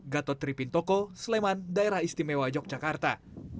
gatot tripin toko sleman daerah istimewa yogyakarta